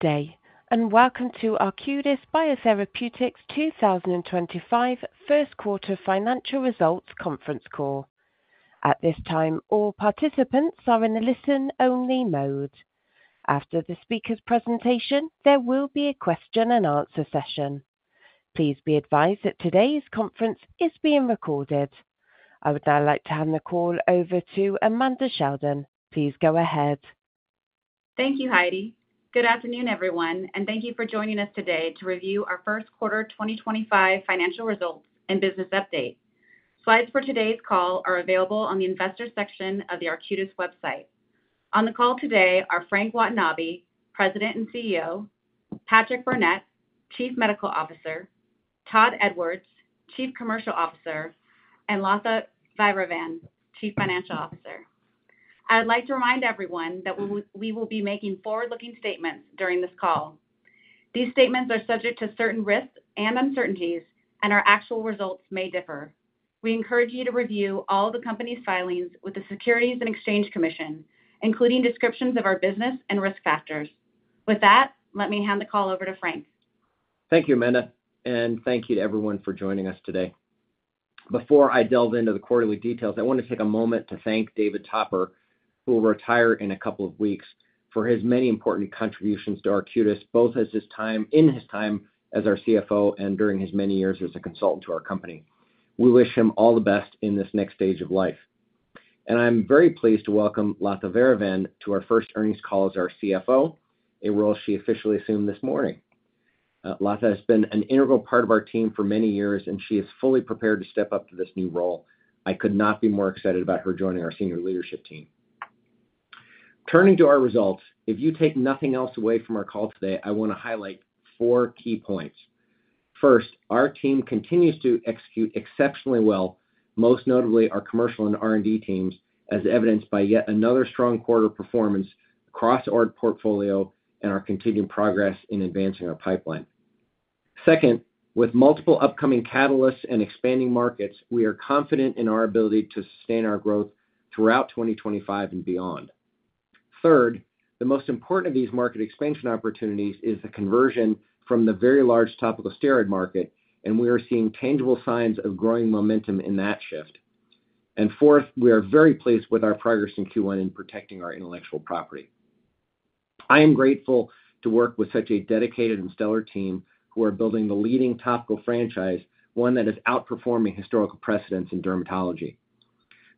Today, and welcome to Arcutis Biotherapeutics' 2025 First Quarter Financial Results Conference Call. At this time, all participants are in a listen-only mode. After the speaker's presentation, there will be a question-and-answer session. Please be advised that today's conference is being recorded. I would now like to hand the call over to Amanda Sheldon. Please go ahead. Thank you, Heidi. Good afternoon, everyone, and thank you for joining us today to review our First Quarter 2025 Financial Results and Business Update. Slides for today's call are available on the Investor section of the Arcutis website. On the call today are Frank Watanabe, President and CEO, Patrick Burnett, Chief Medical Officer, Todd Edwards, Chief Commercial Officer, and Latha Vairavan, Chief Financial Officer. I would like to remind everyone that we will be making forward-looking statements during this call. These statements are subject to certain risks and uncertainties, and our actual results may differ. We encourage you to review all the company's filings with the Securities and Exchange Commission, including descriptions of our business and risk factors. With that, let me hand the call over to Frank. Thank you, Amanda, and thank you to everyone for joining us today. Before I delve into the quarterly details, I want to take a moment to thank David Topper, who will retire in a couple of weeks, for his many important contributions to Arcutis, both in his time as our CFO and during his many years as a consultant to our company. We wish him all the best in this next stage of life. I am very pleased to welcome Latha Vairavan to our first earnings call as our CFO, a role she officially assumed this morning. Latha has been an integral part of our team for many years, and she is fully prepared to step up to this new role. I could not be more excited about her joining our senior leadership team. Turning to our results, if you take nothing else away from our call today, I want to highlight four key points. First, our team continues to execute exceptionally well, most notably our commercial and R&D teams, as evidenced by yet another strong quarter performance across our portfolio and our continued progress in advancing our pipeline. Second, with multiple upcoming catalysts and expanding markets, we are confident in our ability to sustain our growth throughout 2025 and beyond. Third, the most important of these market expansion opportunities is the conversion from the very large topical steroid market, and we are seeing tangible signs of growing momentum in that shift. Fourth, we are very pleased with our progress in Q1 in protecting our intellectual property. I am grateful to work with such a dedicated and stellar team who are building the leading topical franchise, one that is outperforming historical precedents in dermatology.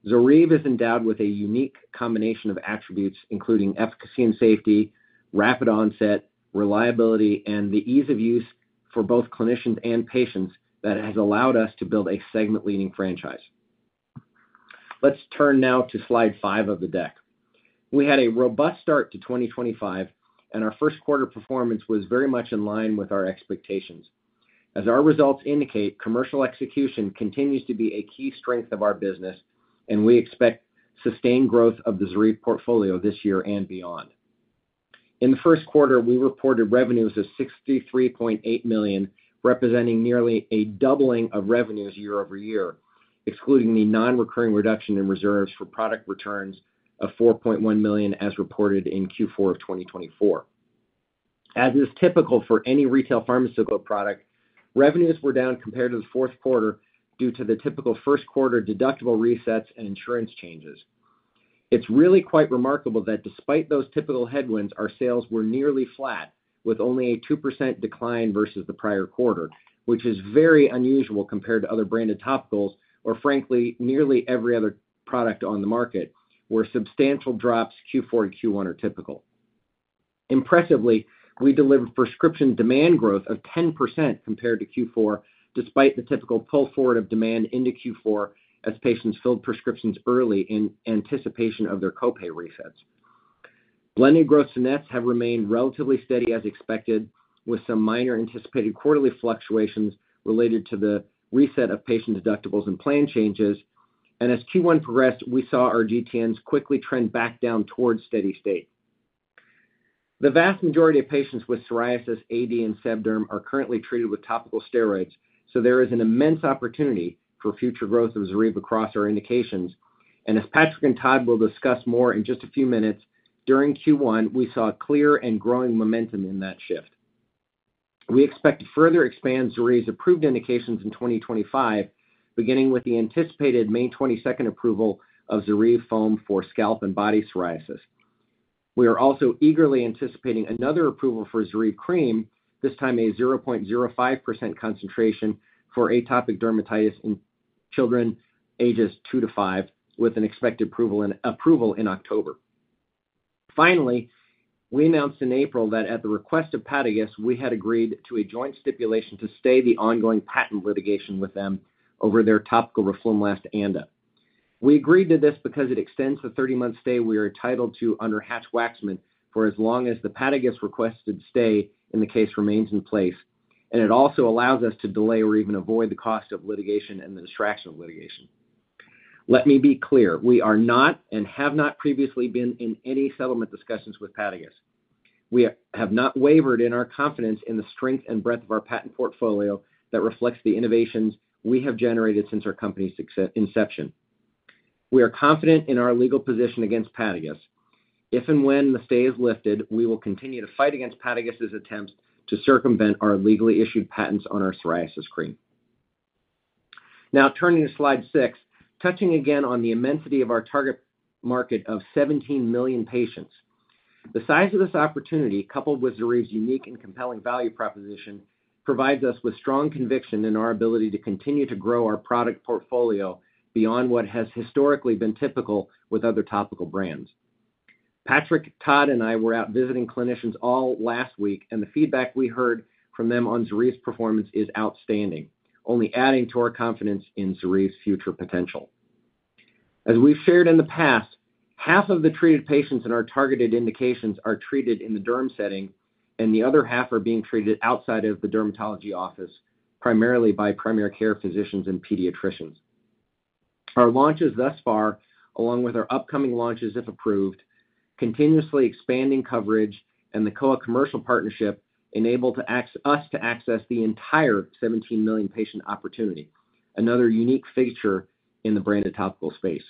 ZORYVE is endowed with a unique combination of attributes, including efficacy and safety, rapid onset, reliability, and the ease of use for both clinicians and patients, that has allowed us to build a segment-leading franchise. Let's turn now to slide five of the deck. We had a robust start to 2024, and our first quarter performance was very much in line with our expectations. As our results indicate, commercial execution continues to be a key strength of our business, and we expect sustained growth of the ZORYVE portfolio this year and beyond. In the first quarter, we reported revenues of $63.8 million, representing nearly a doubling of revenues year over year, excluding the non-recurring reduction in reserves for product returns of $4.1 million, as reported in Q4 of 2024. As is typical for any retail pharmaceutical product, revenues were down compared to the fourth quarter due to the typical first quarter deductible resets and insurance changes. It's really quite remarkable that despite those typical headwinds, our sales were nearly flat, with only a 2% decline versus the prior quarter, which is very unusual compared to other branded topicals or, frankly, nearly every other product on the market, where substantial drops Q4 and Q1 are typical. Impressively, we delivered prescription demand growth of 10% compared to Q4, despite the typical pull forward of demand into Q4 as patients filled prescriptions early in anticipation of their copay resets. Blended gross to nets have remained relatively steady as expected, with some minor anticipated quarterly fluctuations related to the reset of patient deductibles and plan changes. As Q1 progressed, we saw our GTNs quickly trend back down towards steady state. The vast majority of patients with psoriasis, AD, and seborrheic dermatitis are currently treated with topical steroids, so there is an immense opportunity for future growth of ZORYVE across our indications. As Patrick and Todd will discuss more in just a few minutes, during Q1, we saw clear and growing momentum in that shift. We expect to further expand ZORYVE's approved indications in 2025, beginning with the anticipated May 22 approval of ZORYVE foam for scalp and body psoriasis. We are also eagerly anticipating another approval for ZORYVE cream, this time a 0.05% concentration for atopic dermatitis in children ages two to five, with an expected approval in October. Finally, we announced in April that at the request of Patagus, we had agreed to a joint stipulation to stay the ongoing patent litigation with them over their topical roflumilast ANDA. We agreed to this because it extends the 30-month stay we are entitled to under Hatch-Waxman for as long as the Patagus requested stay in the case remains in place, and it also allows us to delay or even avoid the cost of litigation and the distraction of litigation. Let me be clear: we are not and have not previously been in any settlement discussions with Patagus. We have not wavered in our confidence in the strength and breadth of our patent portfolio that reflects the innovations we have generated since our company's inception. We are confident in our legal position against Patagus. If and when the stay is lifted, we will continue to fight against Patagus's attempts to circumvent our legally issued patents on our psoriasis cream. Now, turning to slide six, touching again on the immensity of our target market of 17 million patients. The size of this opportunity, coupled with Xarive's unique and compelling value proposition, provides us with strong conviction in our ability to continue to grow our product portfolio beyond what has historically been typical with other topical brands. Patrick, Todd, and I were out visiting clinicians all last week, and the feedback we heard from them on Xarive's performance is outstanding, only adding to our confidence in Xarive's future potential. As we've shared in the past, half of the treated patients in our targeted indications are treated in the derm setting, and the other half are being treated outside of the dermatology office, primarily by primary care physicians and pediatricians. Our launches thus far, along with our upcoming launches if approved, continuously expanding coverage and the COA commercial partnership enable us to access the entire 17 million patient opportunity, another unique feature in the branded topical space.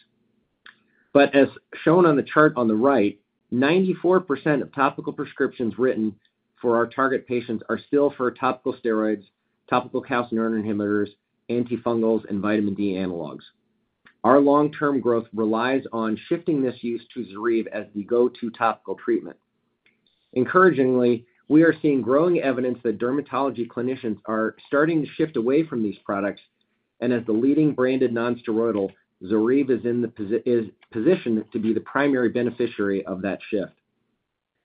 As shown on the chart on the right, 94% of topical prescriptions written for our target patients are still for topical steroids, topical calcineurin inhibitors, antifungals, and vitamin D analogs. Our long-term growth relies on shifting this use to ZORYVE as the go-to topical treatment. Encouragingly, we are seeing growing evidence that dermatology clinicians are starting to shift away from these products, and as the leading branded nonsteroidal, ZORYVE is in the position to be the primary beneficiary of that shift.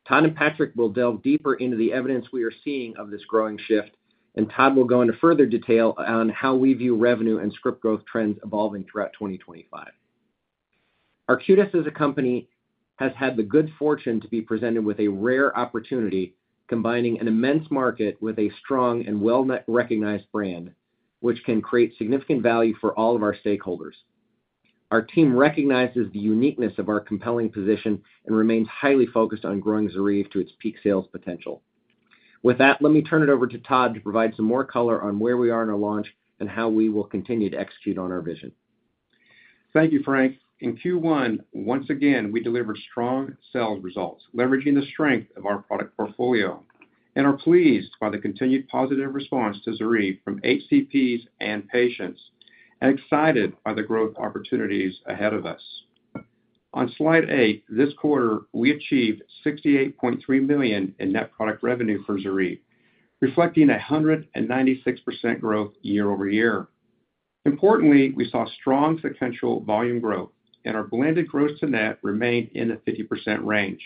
Todd and Patrick will delve deeper into the evidence we are seeing of this growing shift, and Todd will go into further detail on how we view revenue and script growth trends evolving throughout 2025. Arcutis as a company has had the good fortune to be presented with a rare opportunity combining an immense market with a strong and well-recognized brand, which can create significant value for all of our stakeholders. Our team recognizes the uniqueness of our compelling position and remains highly focused on growing ZORYVE to its peak sales potential. With that, let me turn it over to Todd to provide some more color on where we are in our launch and how we will continue to execute on our vision. Thank you, Frank. In Q1, once again, we delivered strong sales results, leveraging the strength of our product portfolio, and are pleased by the continued positive response to ZORYVE from HCPs and patients, and excited by the growth opportunities ahead of us. On slide eight, this quarter, we achieved $68.3 million in net product revenue for ZORYVE, reflecting a 196% growth year over year. Importantly, we saw strong sequential volume growth, and our blended gross to net remained in the 50% range,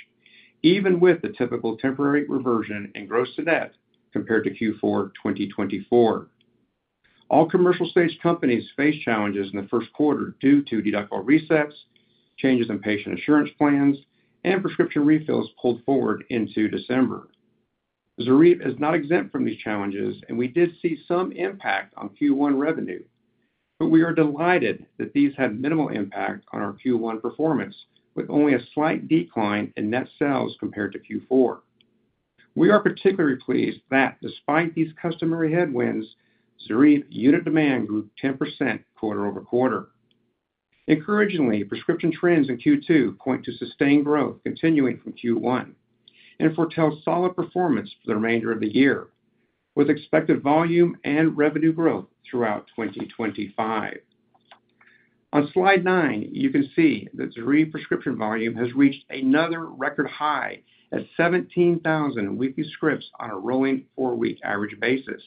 even with the typical temporary reversion in gross to net compared to Q4 2024. All commercial-stage companies faced challenges in the first quarter due to deductible resets, changes in patient insurance plans, and prescription refills pulled forward into December. Xarive is not exempt from these challenges, and we did see some impact on Q1 revenue, but we are delighted that these had minimal impact on our Q1 performance, with only a slight decline in net sales compared to Q4. We are particularly pleased that, despite these customary headwinds, Xarive unit demand grew 10% quarter over quarter. Encouragingly, prescription trends in Q2 point to sustained growth continuing from Q1 and foretell solid performance for the remainder of the year, with expected volume and revenue growth throughout 2025. On slide nine, you can see that Xarive prescription volume has reached another record high at 17,000 weekly scripts on a rolling four-week average basis.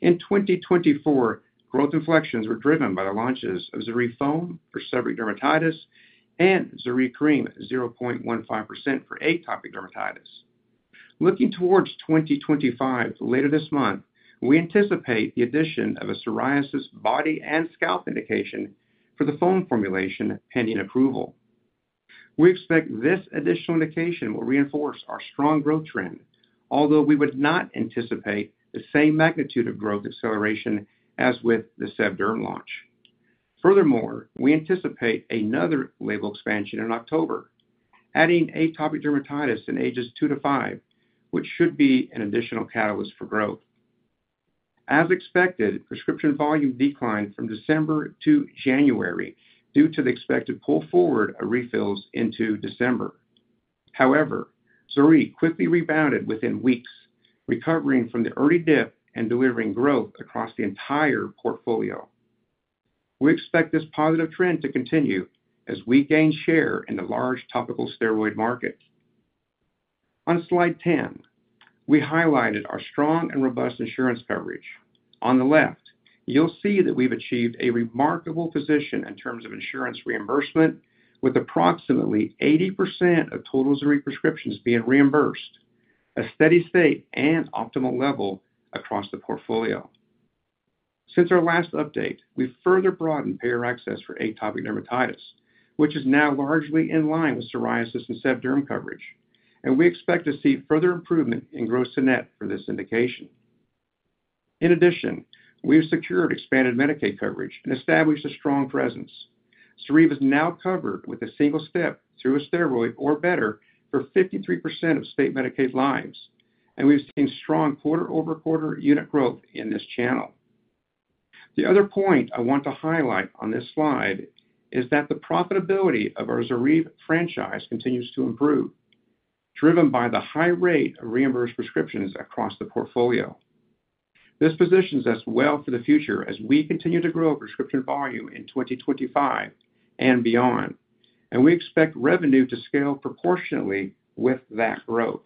In 2024, growth inflections were driven by the launches of Xarive foam for seborrheic dermatitis and Xarive cream at 0.15% for atopic dermatitis. Looking towards 2025 later this month, we anticipate the addition of a psoriasis body and scalp indication for the foam formulation pending approval. We expect this additional indication will reinforce our strong growth trend, although we would not anticipate the same magnitude of growth acceleration as with the sebderm launch. Furthermore, we anticipate another label expansion in October, adding atopic dermatitis in ages 2 to 5, which should be an additional catalyst for growth. As expected, prescription volume declined from December to January due to the expected pull forward of refills into December. However, ZORYVE quickly rebounded within weeks, recovering from the early dip and delivering growth across the entire portfolio. We expect this positive trend to continue as we gain share in the large topical steroid market. On slide 10, we highlighted our strong and robust insurance coverage. On the left, you'll see that we've achieved a remarkable position in terms of insurance reimbursement, with approximately 80% of total ZORYVE prescriptions being reimbursed, a steady state and optimal level across the portfolio. Since our last update, we've further broadened payer access for atopic dermatitis, which is now largely in line with psoriasis and seborrheic dermatitis coverage, and we expect to see further improvement in gross to net for this indication. In addition, we've secured expanded Medicaid coverage and established a strong presence. ZORYVE is now covered with a single step through a steroid or better for 53% of state Medicaid lives, and we've seen strong quarter-over-quarter unit growth in this channel. The other point I want to highlight on this slide is that the profitability of our ZORYVE franchise continues to improve, driven by the high rate of reimbursed prescriptions across the portfolio. This positions us well for the future as we continue to grow prescription volume in 2025 and beyond, and we expect revenue to scale proportionately with that growth.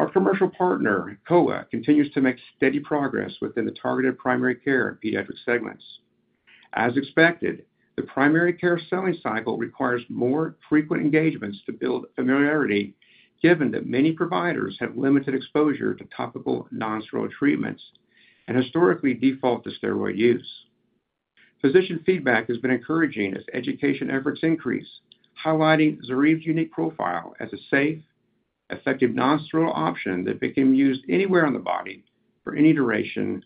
Our commercial partner, COA, continues to make steady progress within the targeted primary care and pediatric segments. As expected, the primary care selling cycle requires more frequent engagements to build familiarity, given that many providers have limited exposure to topical nonsteroidal treatments and historically default to steroid use. Physician feedback has been encouraging as education efforts increase, highlighting ZORYVE's unique profile as a safe, effective nonsteroidal option that can be used anywhere on the body for any duration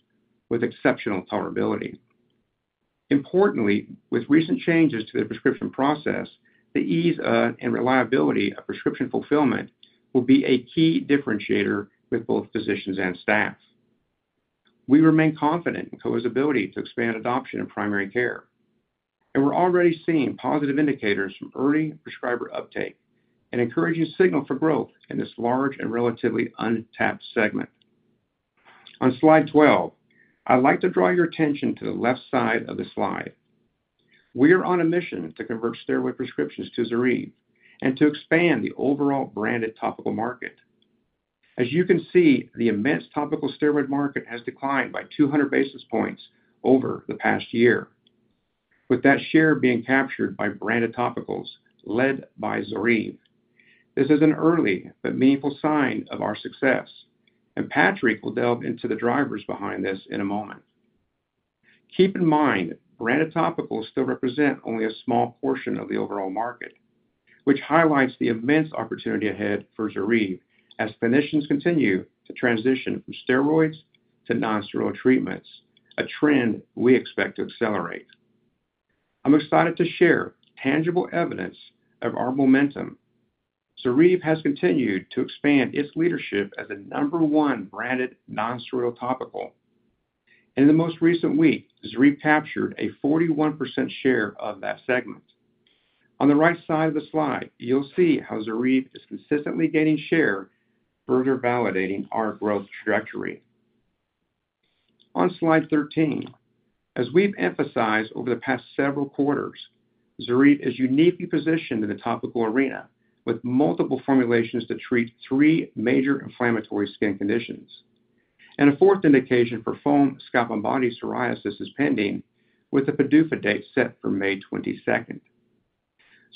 with exceptional tolerability. Importantly, with recent changes to the prescription process, the ease and reliability of prescription fulfillment will be a key differentiator with both physicians and staff. We remain confident in COA's ability to expand adoption in primary care, and we're already seeing positive indicators from early prescriber uptake and encouraging signal for growth in this large and relatively untapped segment. On slide 12, I'd like to draw your attention to the left side of the slide. We are on a mission to convert steroid prescriptions to Xarive and to expand the overall branded topical market. As you can see, the immense topical steroid market has declined by 200 basis points over the past year, with that share being captured by branded topicals led by Xarive. This is an early but meaningful sign of our success, and Patrick will delve into the drivers behind this in a moment. Keep in mind, branded topicals still represent only a small portion of the overall market, which highlights the immense opportunity ahead for ZORYVE as clinicians continue to transition from steroids to nonsteroidal treatments, a trend we expect to accelerate. I'm excited to share tangible evidence of our momentum. ZORYVE has continued to expand its leadership as the number one branded nonsteroidal topical. In the most recent week, ZORYVE captured a 41% share of that segment. On the right side of the slide, you'll see how ZORYVE is consistently gaining share, further validating our growth trajectory. On slide 13, as we've emphasized over the past several quarters, ZORYVE is uniquely positioned in the topical arena with multiple formulations to treat three major inflammatory skin conditions. A fourth indication for foam, scalp, and body psoriasis is pending, with a PDUFA date set for May 22.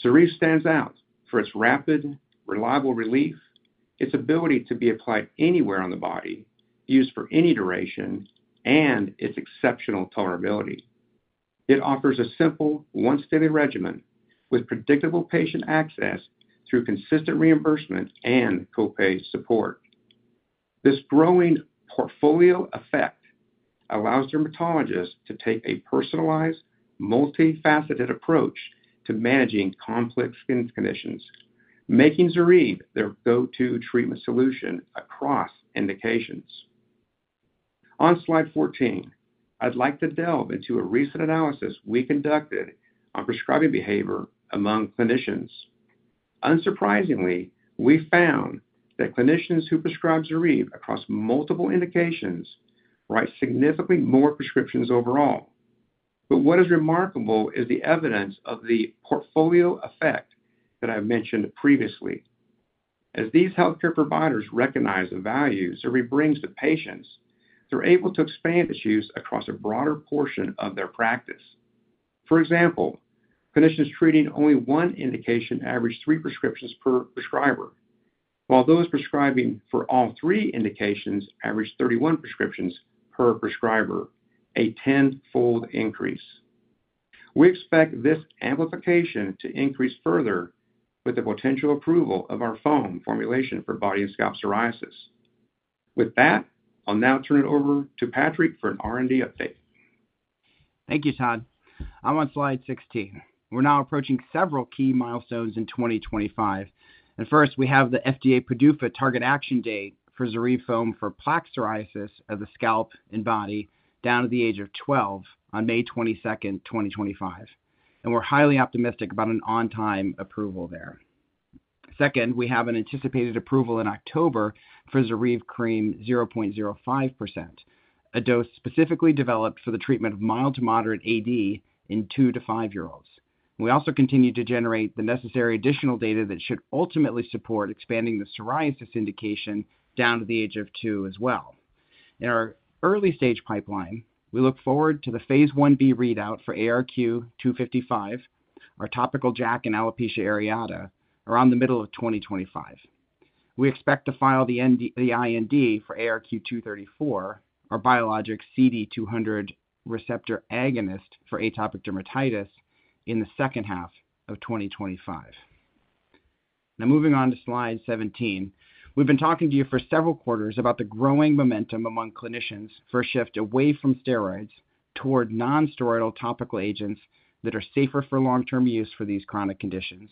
ZORYVE stands out for its rapid, reliable relief, its ability to be applied anywhere on the body, used for any duration, and its exceptional tolerability. It offers a simple, one-stage regimen with predictable patient access through consistent reimbursement and copay support. This growing portfolio effect allows dermatologists to take a personalized, multifaceted approach to managing complex skin conditions, making ZORYVE their go-to treatment solution across indications. On slide 14, I'd like to delve into a recent analysis we conducted on prescribing behavior among clinicians. Unsurprisingly, we found that clinicians who prescribe ZORYVE across multiple indications write significantly more prescriptions overall. What is remarkable is the evidence of the portfolio effect that I've mentioned previously. As these healthcare providers recognize the value ZORYVE brings to patients, they're able to expand its use across a broader portion of their practice. For example, clinicians treating only one indication average three prescriptions per prescriber, while those prescribing for all three indications average 31 prescriptions per prescriber, a 10-fold increase. We expect this amplification to increase further with the potential approval of our foam formulation for body and scalp psoriasis. With that, I'll now turn it over to Patrick for an R&D update. Thank you, Todd. I'm on slide 16. We're now approaching several key milestones in 2025. First, we have the FDA PDUFA target action date for ZORYVE foam for plaque psoriasis of the scalp and body down to the age of 12 on May 22, 2025. We're highly optimistic about an on-time approval there. Second, we have an anticipated approval in October for ZORYVE cream 0.05%, a dose specifically developed for the treatment of mild to moderate AD in two to five-year-olds. We also continue to generate the necessary additional data that should ultimately support expanding the psoriasis indication down to the age of two as well. In our early-stage pipeline, we look forward to the phase 1b readout for ARQ255, our topical JAK inhibitor in alopecia areata, around the middle of 2025. We expect to file the IND for ARQ234, our biologic CD200 receptor agonist for atopic dermatitis in the second half of 2025. Now, moving on to slide 17, we've been talking to you for several quarters about the growing momentum among clinicians for a shift away from steroids toward nonsteroidal topical agents that are safer for long-term use for these chronic conditions.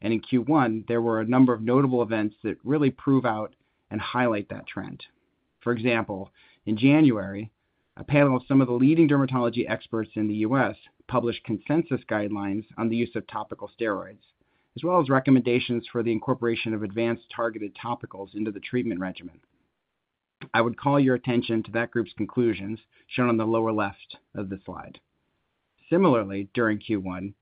In Q1, there were a number of notable events that really prove out and highlight that trend. For example, in January, a panel of some of the leading dermatology experts in the U.S. published consensus guidelines on the use of topical steroids, as well as recommendations for the incorporation of advanced targeted topicals into the treatment regimen. I would call your attention to that group's conclusions shown on the lower left of the slide. Similarly, during Q1,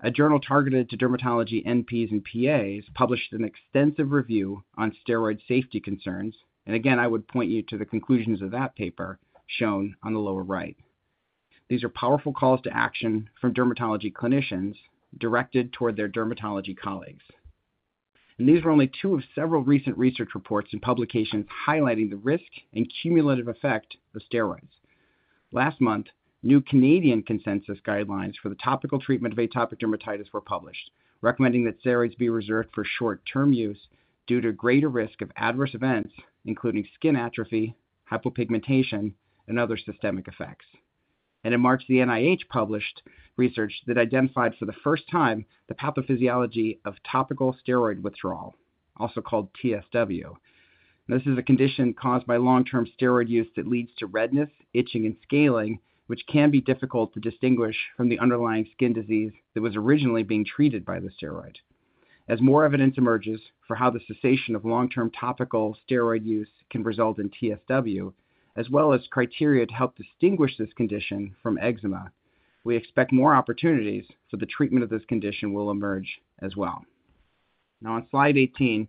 a journal targeted to dermatology NPs and PAs published an extensive review on steroid safety concerns. I would point you to the conclusions of that paper shown on the lower right. These are powerful calls to action from dermatology clinicians directed toward their dermatology colleagues. These were only two of several recent research reports and publications highlighting the risk and cumulative effect of steroids. Last month, new Canadian consensus guidelines for the topical treatment of atopic dermatitis were published, recommending that steroids be reserved for short-term use due to greater risk of adverse events, including skin atrophy, hypopigmentation, and other systemic effects. In March, the NIH published research that identified for the first time the pathophysiology of topical steroid withdrawal, also called TSW. This is a condition caused by long-term steroid use that leads to redness, itching, and scaling, which can be difficult to distinguish from the underlying skin disease that was originally being treated by the steroid. As more evidence emerges for how the cessation of long-term topical steroid use can result in TSW, as well as criteria to help distinguish this condition from eczema, we expect more opportunities for the treatment of this condition will emerge as well. Now, on slide 18,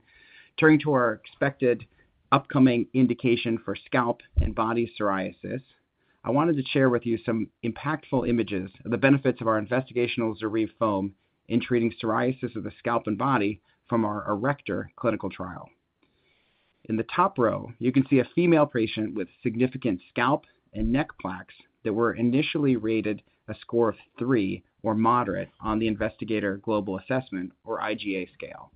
turning to our expected upcoming indication for scalp and body psoriasis, I wanted to share with you some impactful images of the benefits of our investigational ZORYVE foam in treating psoriasis of the scalp and body from our ERECTOR clinical trial. In the top row, you can see a female patient with significant scalp and neck plaques that were initially rated a score of 3 or moderate on the Investigator Global Assessment, or IGA scale.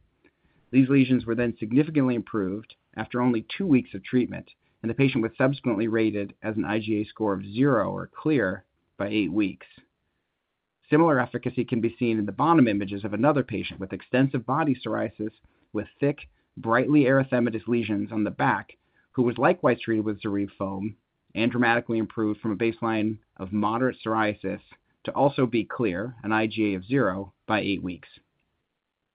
These lesions were then significantly improved after only two weeks of treatment, and the patient was subsequently rated as an IGA score of 0 or clear by eight weeks. Similar efficacy can be seen in the bottom images of another patient with extensive body psoriasis with thick, brightly erythematous lesions on the back, who was likewise treated with ZORYVE foam and dramatically improved from a baseline of moderate psoriasis to also be clear, an IGA of 0, by eight weeks.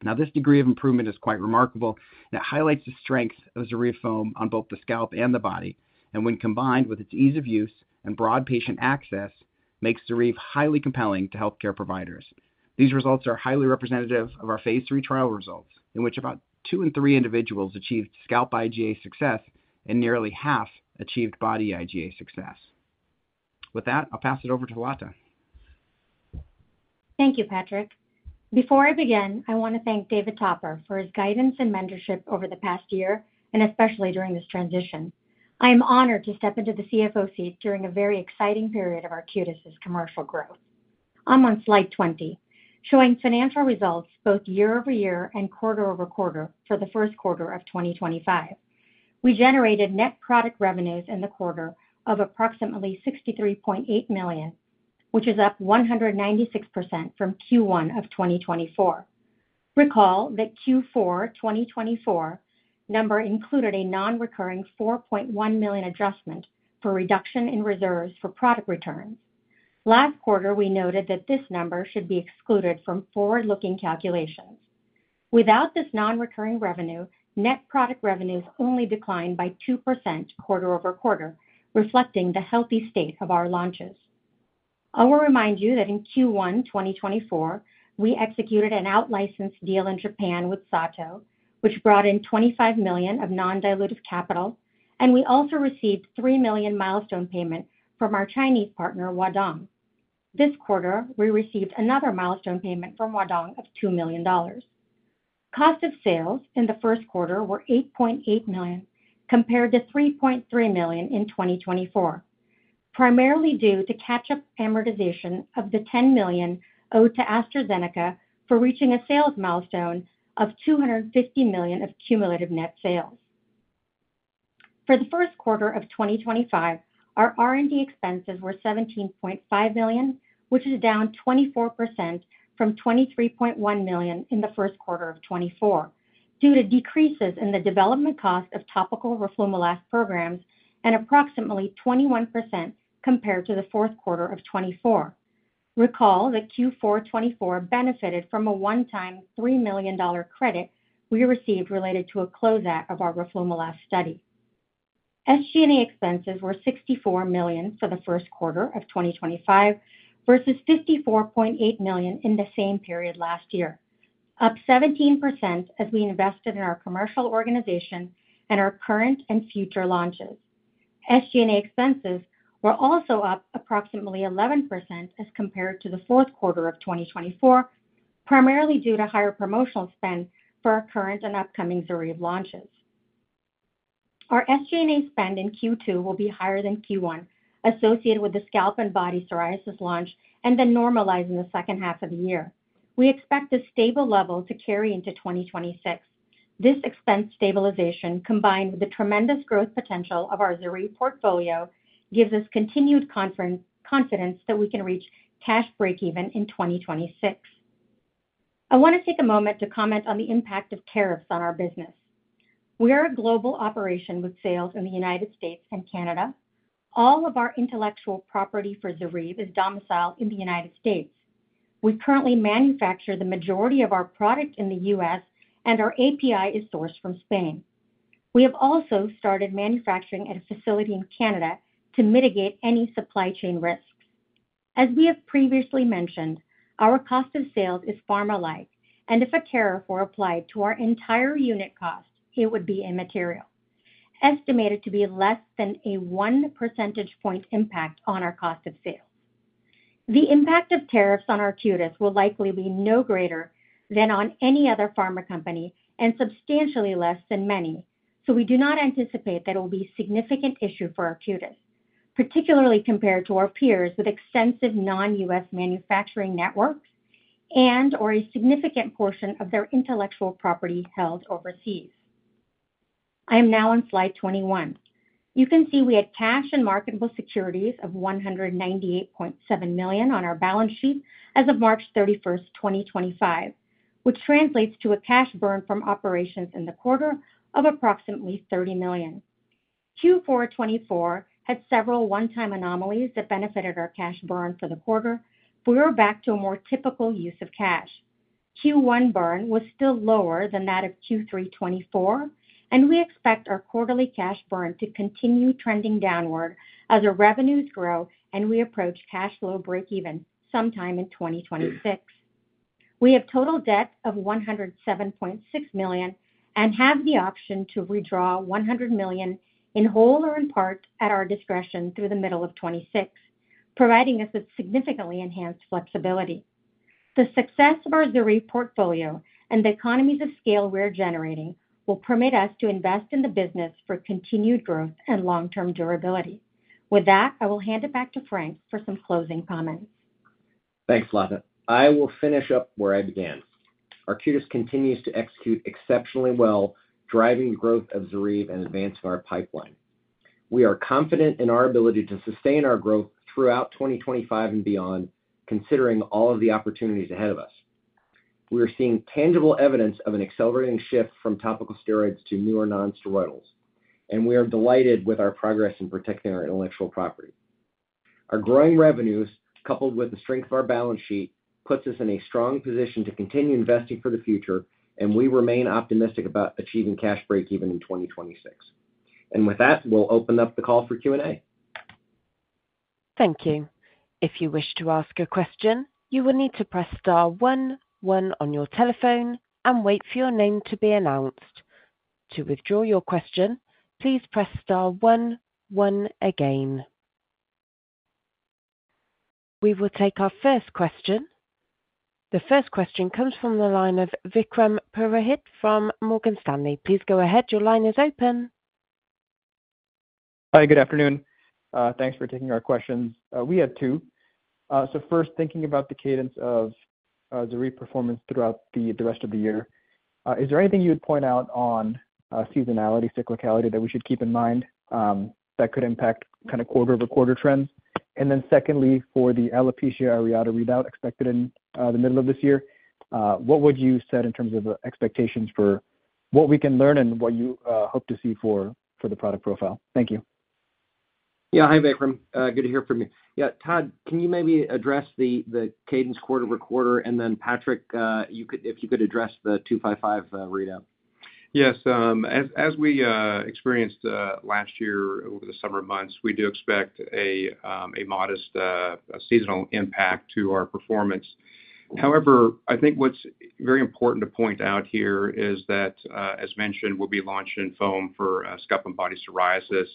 Now, this degree of improvement is quite remarkable, and it highlights the strength of ZORYVE foam on both the scalp and the body. When combined with its ease of use and broad patient access, it makes Xarive highly compelling to healthcare providers. These results are highly representative of our phase 3 trial results, in which about two in three individuals achieved scalp IGA success, and nearly half achieved body IGA success. With that, I'll pass it over to Latha. Thank you, Patrick. Before I begin, I want to thank David Topper for his guidance and mentorship over the past year, and especially during this transition. I am honored to step into the CFO seat during a very exciting period of Arcutis's commercial growth. I'm on slide 20, showing financial results both year over year and quarter over quarter for the first quarter of 2025. We generated net product revenues in the quarter of approximately $63.8 million, which is up 196% from Q1 of 2024. Recall that Q4 2024 number included a non-recurring $4.1 million adjustment for reduction in reserves for product returns. Last quarter, we noted that this number should be excluded from forward-looking calculations. Without this non-recurring revenue, net product revenues only declined by 2% quarter over quarter, reflecting the healthy state of our launches. I will remind you that in Q1 2024, we executed an out-licensed deal in Japan with Sato, which brought in $25 million of non-dilutive capital, and we also received a $3 million milestone payment from our Chinese partner, Wadong. This quarter, we received another milestone payment from Wadong of $2 million. Cost of sales in the first quarter were $8.8 million compared to $3.3 million in 2024, primarily due to catch-up amortization of the $10 million owed to AstraZeneca for reaching a sales milestone of $250 million of cumulative net sales. For the first quarter of 2025, our R&D expenses were $17.5 million, which is down 24% from $23.1 million in the first quarter of 2024, due to decreases in the development cost of topical roflumilast programs and approximately 21% compared to the fourth quarter of 2024. Recall that Q4 2024 benefited from a one-time $3 million credit we received related to a closeout of our roflumilast study. SG&A expenses were $64 million for the first quarter of 2025 versus $54.8 million in the same period last year, up 17% as we invested in our commercial organization and our current and future launches. SG&A expenses were also up approximately 11% as compared to the fourth quarter of 2024, primarily due to higher promotional spend for our current and upcoming ZORYVE launches. Our SG&A spend in Q2 will be higher than Q1, associated with the scalp and body psoriasis launch and then normalizing the second half of the year. We expect this stable level to carry into 2026. This expense stabilization, combined with the tremendous growth potential of our ZORYVE portfolio, gives us continued confidence that we can reach cash break-even in 2026. I want to take a moment to comment on the impact of tariffs on our business. We are a global operation with sales in the U.S. and Canada. All of our intellectual property for Xarive is domiciled in the U.S. We currently manufacture the majority of our product in the U.S., and our API is sourced from Spain. We have also started manufacturing at a facility in Canada to mitigate any supply chain risks. As we have previously mentioned, our cost of sales is pharmalike, and if a tariff were applied to our entire unit cost, it would be immaterial, estimated to be less than a one percentage point impact on our cost of sales. The impact of tariffs on Arcutis will likely be no greater than on any other pharma company and substantially less than many, so we do not anticipate that it will be a significant issue for Arcutis, particularly compared to our peers with extensive non-U.S. manufacturing networks and/or a significant portion of their intellectual property held overseas. I am now on slide 21. You can see we had cash and marketable securities of $198.7 million on our balance sheet as of March 31, 2025, which translates to a cash burn from operations in the quarter of approximately $30 million. Q4 2024 had several one-time anomalies that benefited our cash burn for the quarter. We are back to a more typical use of cash. Q1 burn was still lower than that of Q3 2024, and we expect our quarterly cash burn to continue trending downward as our revenues grow and we approach cash flow break-even sometime in 2026. We have total debt of $107.6 million and have the option to withdraw $100 million in whole or in part at our discretion through the middle of 2026, providing us with significantly enhanced flexibility. The success of our Xarive portfolio and the economies of scale we are generating will permit us to invest in the business for continued growth and long-term durability. With that, I will hand it back to Frank for some closing comments. Thanks, Latha. I will finish up where I began. Arcutis continues to execute exceptionally well, driving the growth of ZORYVE and advancing our pipeline. We are confident in our ability to sustain our growth throughout 2025 and beyond, considering all of the opportunities ahead of us. We are seeing tangible evidence of an accelerating shift from topical steroids to newer nonsteroidals, and we are delighted with our progress in protecting our intellectual property. Our growing revenues, coupled with the strength of our balance sheet, puts us in a strong position to continue investing for the future, and we remain optimistic about achieving cash break-even in 2026. With that, we'll open up the call for Q&A. Thank you. If you wish to ask a question, you will need to press star 11 on your telephone and wait for your name to be announced. To withdraw your question, please press star 11 again. We will take our first question. The first question comes from the line of Vikram Purohit from Morgan Stanley. Please go ahead. Your line is open. Hi, good afternoon. Thanks for taking our questions. We had two. First, thinking about the cadence of Xarive performance throughout the rest of the year, is there anything you would point out on seasonality, cyclicality that we should keep in mind that could impact kind of quarter-over-quarter trends? Secondly, for the alopecia areata readout expected in the middle of this year, what would you set in terms of expectations for what we can learn and what you hope to see for the product profile? Thank you. Yeah, hi, Vikram. Good to hear from you. Yeah, Todd, can you maybe address the cadence quarter-over-quarter? Patrick, if you could address the 255 readout. Yes. As we experienced last year over the summer months, we do expect a modest seasonal impact to our performance. However, I think what's very important to point out here is that, as mentioned, we'll be launching foam for scalp and body psoriasis.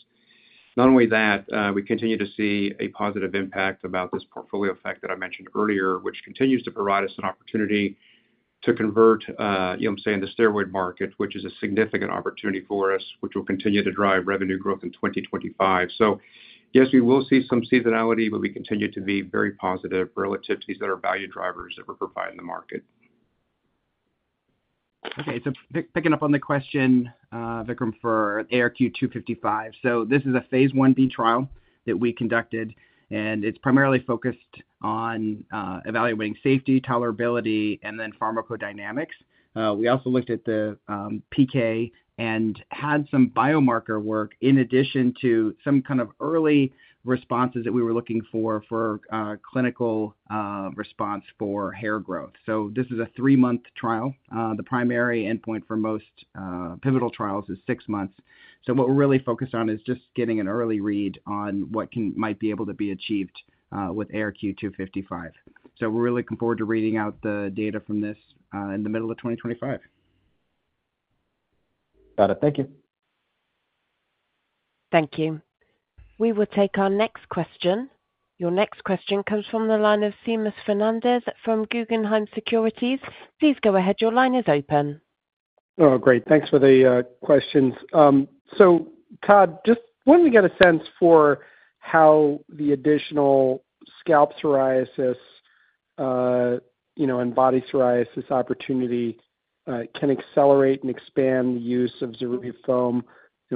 Not only that, we continue to see a positive impact about this portfolio effect that I mentioned earlier, which continues to provide us an opportunity to convert, I'm saying, the steroid market, which is a significant opportunity for us, which will continue to drive revenue growth in 2025. Yes, we will see some seasonality, but we continue to be very positive relative to these other value drivers that we're providing the market. Okay. Picking up on the question, Vikram, for ARQ255. This is a phase 1B trial that we conducted, and it's primarily focused on evaluating safety, tolerability, and then pharmacodynamics. We also looked at the PK and had some biomarker work in addition to some kind of early responses that we were looking for for clinical response for hair growth. This is a three-month trial. The primary endpoint for most pivotal trials is six months. What we're really focused on is just getting an early read on what might be able to be achieved with ARQ255. We're really looking forward to reading out the data from this in the middle of 2025. Got it. Thank you. Thank you. We will take our next question. Your next question comes from the line of Seamus Fernandez from Guggenheim Securities. Please go ahead. Your line is open. Oh, great. Thanks for the questions. Todd, just wanted to get a sense for how the additional scalp psoriasis and body psoriasis opportunity can accelerate and expand the use of ZORYVE foam.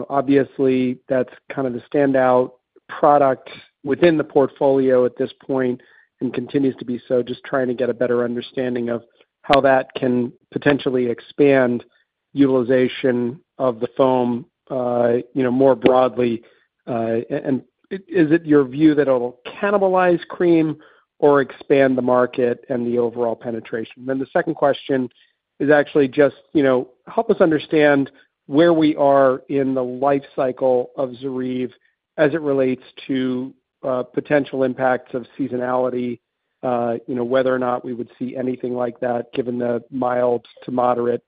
Obviously, that's kind of the standout product within the portfolio at this point and continues to be so, just trying to get a better understanding of how that can potentially expand utilization of the foam more broadly. Is it your view that it'll cannibalize cream or expand the market and the overall penetration? The second question is actually just help us understand where we are in the life cycle of Xarive as it relates to potential impacts of seasonality, whether or not we would see anything like that given the mild to moderate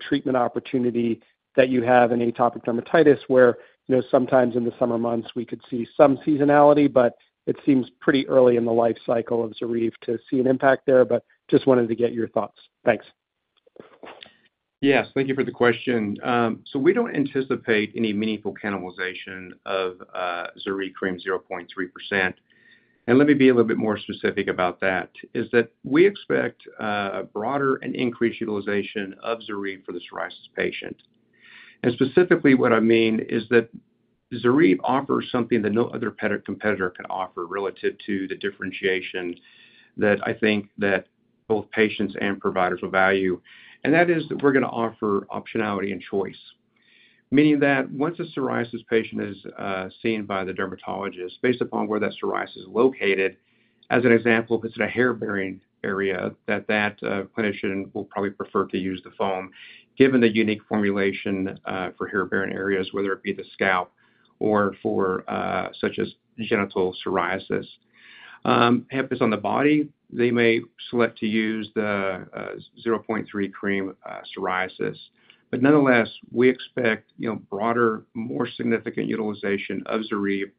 treatment opportunity that you have in atopic dermatitis, where sometimes in the summer months, we could see some seasonality. It seems pretty early in the life cycle of Xarive to see an impact there. I just wanted to get your thoughts. Thanks. Yes. Thank you for the question. We don't anticipate any meaningful cannibalization of ZORYVE (roflumilast) Cream 0.3%. Let me be a little bit more specific about that, is that we expect a broader and increased utilization of ZORYVE for the psoriasis patient. Specifically, what I mean is that ZORYVE offers something that no other competitor can offer relative to the differentiation that I think that both patients and providers will value. That is that we're going to offer optionality and choice, meaning that once a psoriasis patient is seen by the dermatologist, based upon where that psoriasis is located, as an example, if it's in a hair-bearing area, that clinician will probably prefer to use the foam given the unique formulation for hair-bearing areas, whether it be the scalp or for such as genital psoriasis. If it's on the body, they may select to use the 0.3 cream psoriasis. Nonetheless, we expect broader, more significant utilization of Xarive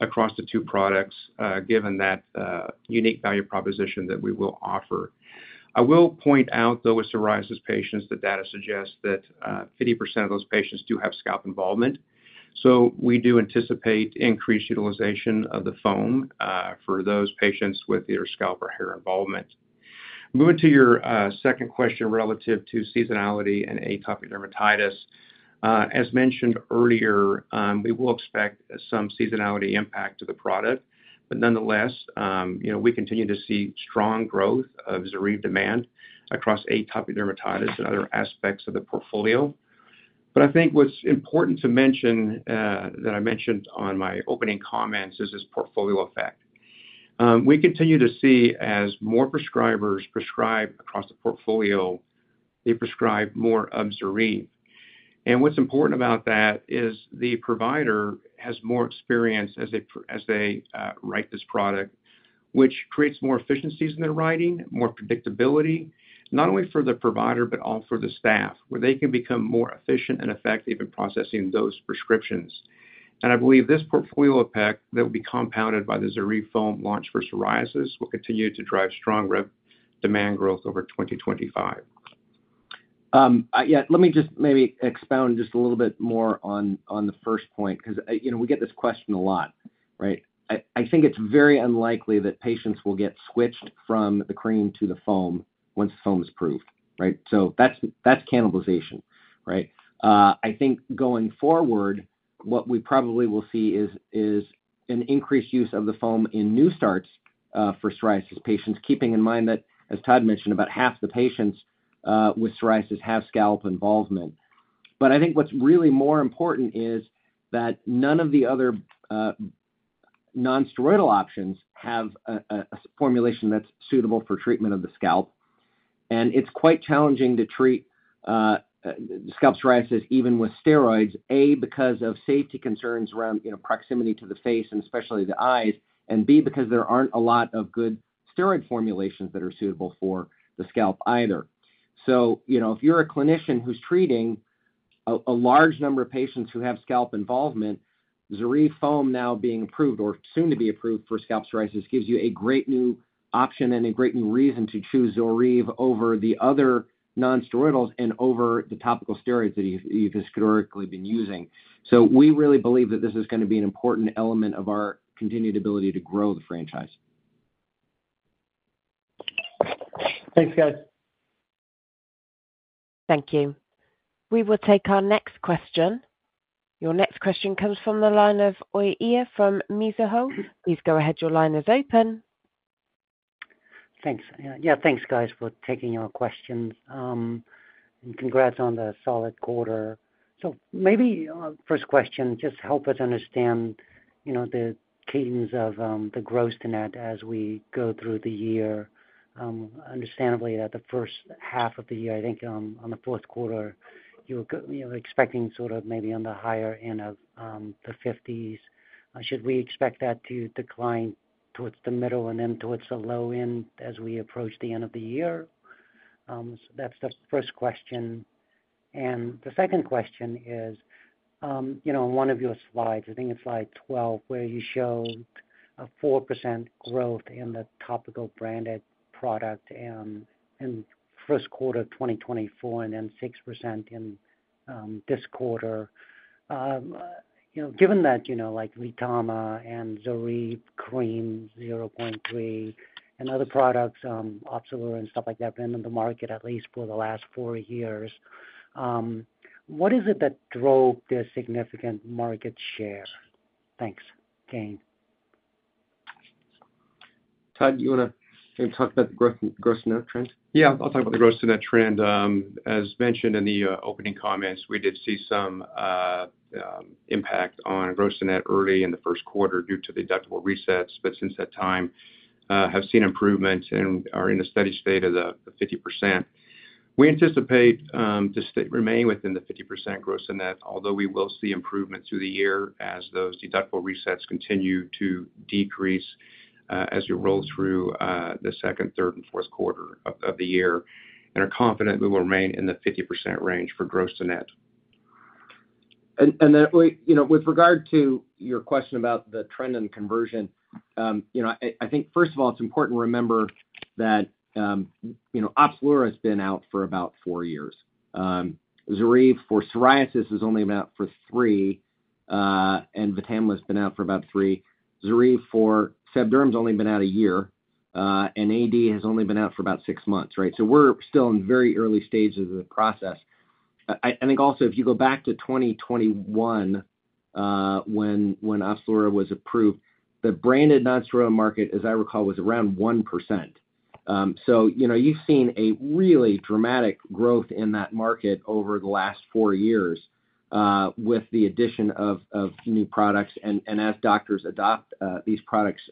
across the two products given that unique value proposition that we will offer. I will point out, though, with psoriasis patients, the data suggests that 50% of those patients do have scalp involvement. We do anticipate increased utilization of the foam for those patients with either scalp or hair involvement. Moving to your second question relative to seasonality and atopic dermatitis. As mentioned earlier, we will expect some seasonality impact to the product. Nonetheless, we continue to see strong growth of Xarive demand across atopic dermatitis and other aspects of the portfolio. I think what's important to mention that I mentioned on my opening comments is this portfolio effect. We continue to see as more prescribers prescribe across the portfolio, they prescribe more of ZORYVE. What's important about that is the provider has more experience as they write this product, which creates more efficiencies in their writing, more predictability, not only for the provider, but also for the staff, where they can become more efficient and effective in processing those prescriptions. I believe this portfolio effect that will be compounded by the ZORYVE foam launch for psoriasis will continue to drive stronger demand growth over 2025. Yeah. Let me just maybe expound just a little bit more on the first point because we get this question a lot, right? I think it's very unlikely that patients will get switched from the cream to the foam once the foam is approved, right? So that's cannibalization, right? I think going forward, what we probably will see is an increased use of the foam in new starts for psoriasis patients, keeping in mind that, as Todd mentioned, about half the patients with psoriasis have scalp involvement. I think what's really more important is that none of the other nonsteroidal options have a formulation that's suitable for treatment of the scalp. It is quite challenging to treat scalp psoriasis even with steroids, A, because of safety concerns around proximity to the face and especially the eyes, and B, because there are not a lot of good steroid formulations that are suitable for the scalp either. If you are a clinician who is treating a large number of patients who have scalp involvement, ZORYVE foam now being approved or soon to be approved for scalp psoriasis gives you a great new option and a great new reason to choose ZORYVE over the other nonsteroidals and over the topical steroids that you have historically been using. We really believe that this is going to be an important element of our continued ability to grow the franchise. Thanks, guys. Thank you. We will take our next question. Your next question comes from the line of Orazio Iacono from Mizuho. Please go ahead. Your line is open. Thanks. Yeah, thanks, guys, for taking your questions. And congrats on the solid quarter. Maybe first question, just help us understand the cadence of the gross to net as we go through the year. Understandably, at the first half of the year, I think on the fourth quarter, you were expecting sort of maybe on the higher end of the 50s. Should we expect that to decline towards the middle and then towards the low end as we approach the end of the year? That's the first question. The second question is on one of your slides, I think it's slide 12, where you showed a 4% growth in the topical branded product in the first quarter of 2024 and then 6% in this quarter. Given that Vtama and ZORYVE Cream 0.3% and other products, Opzelura and stuff like that, have been in the market at least for the last four years, what is it that drove their significant market share? Thanks. Todd, do you want to talk about the gross to net trend? Yeah, I'll talk about the gross to net trend. As mentioned in the opening comments, we did see some impact on gross to net early in the first quarter due to the deductible resets, but since that time, have seen improvements and are in a steady state of the 50%. We anticipate to remain within the 50% gross to net, although we will see improvement through the year as those deductible resets continue to decrease as we roll through the second, third, and fourth quarter of the year. We are confident we will remain in the 50% range for gross to net. With regard to your question about the trend and conversion, I think, first of all, it's important to remember that Opzelura has been out for about four years. ZORYVE for psoriasis has only been out for three, and Vtama has been out for about three. ZORYVE for seborrheic dermatitis has only been out a year, and atopic dermatitis has only been out for about six months, right? We're still in very early stages of the process. I think also, if you go back to 2021 when Opzelura was approved, the branded nonsteroidal market, as I recall, was around 1%. You've seen a really dramatic growth in that market over the last four years with the addition of new products and as doctors adopt these products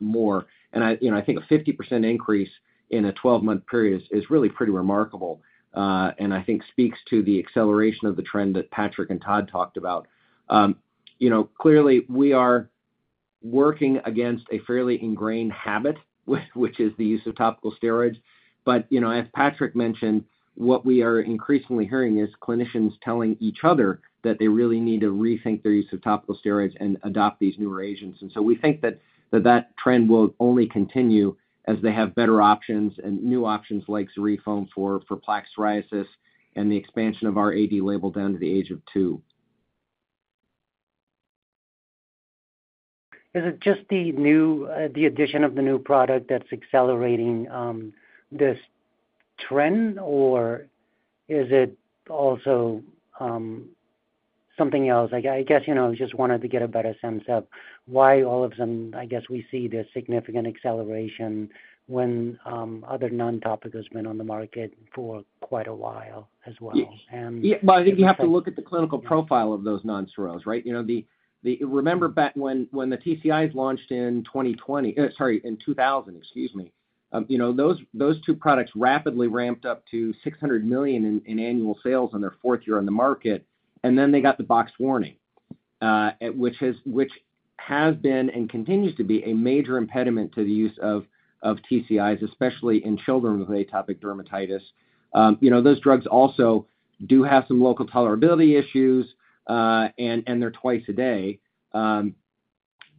more. I think a 50% increase in a 12-month period is really pretty remarkable and I think speaks to the acceleration of the trend that Patrick and Todd talked about. Clearly, we are working against a fairly ingrained habit, which is the use of topical steroids. As Patrick mentioned, what we are increasingly hearing is clinicians telling each other that they really need to rethink their use of topical steroids and adopt these newer agents. We think that that trend will only continue as they have better options and new options like ZORYVE foam for plaque psoriasis and the expansion of our AD label down to the age of two. Is it just the addition of the new product that's accelerating this trend, or is it also something else? I guess I just wanted to get a better sense of why all of a sudden, I guess, we see this significant acceleration when other non-topicals have been on the market for quite a while as well. Yeah. I think you have to look at the clinical profile of those nonsteroidals, right? Remember when the TCIs launched in 2000, excuse me, those two products rapidly ramped up to $600 million in annual sales in their fourth year on the market, and then they got the box warning, which has been and continues to be a major impediment to the use of TCIs, especially in children with atopic dermatitis. Those drugs also do have some local tolerability issues, and they're twice a day.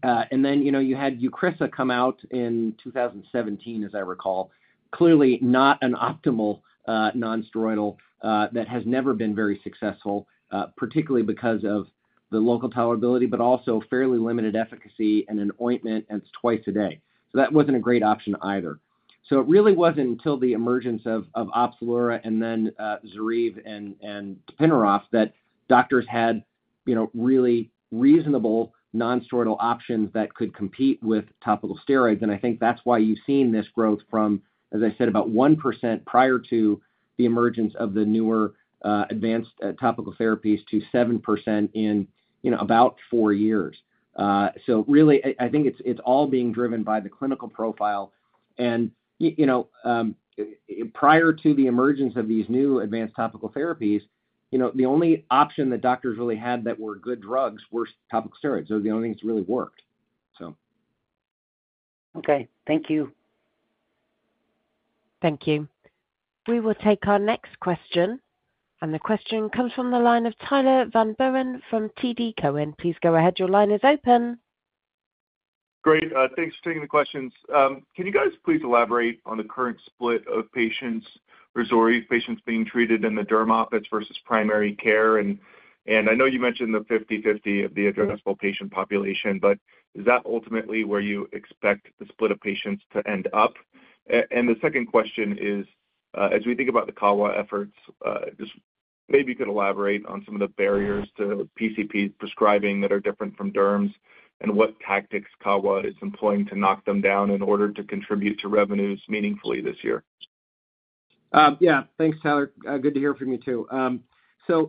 You had Eucrisa come out in 2017, as I recall, clearly not an optimal nonsteroidal that has never been very successful, particularly because of the local tolerability, but also fairly limited efficacy and an ointment, and it's twice a day. That wasn't a great option either. It really wasn't until the emergence of Opzelura and then ZORYVE and Vtama that doctors had really reasonable nonsteroidal options that could compete with topical steroids. I think that's why you've seen this growth from, as I said, about 1% prior to the emergence of the newer advanced topical therapies to 7% in about four years. I think it's all being driven by the clinical profile. Prior to the emergence of these new advanced topical therapies, the only option that doctors really had that were good drugs were topical steroids. Those are the only things that really worked. Okay. Thank you. Thank you. We will take our next question. The question comes from the line of Tyler Van Buren from TD Cowen. Please go ahead. Your line is open. Great. Thanks for taking the questions. Can you guys please elaborate on the current split of patients for Xarive, patients being treated in the derm office versus primary care? I know you mentioned the 50/50 of the addressable patient population, but is that ultimately where you expect the split of patients to end up? The second question is, as we think about the CAWA efforts, just maybe you could elaborate on some of the barriers to PCP prescribing that are different from derms and what tactics CAWA is employing to knock them down in order to contribute to revenues meaningfully this year. Yeah. Thanks, Tyler. Good to hear from you too.